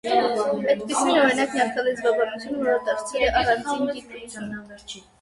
Այդպիսին է, օրինակ, նյարդալեզվաբանությունը, որը դարձել է առանձին գիտություն։